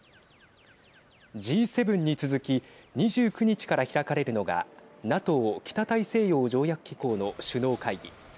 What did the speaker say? Ｇ７に続き２９日から開かれるのがＮＡＴＯ＝北大西洋条約機構の首脳会議。